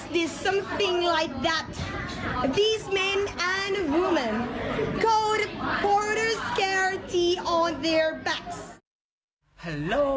ดีฉันไม่ต้องแบตเทอร์แล้วล่ะ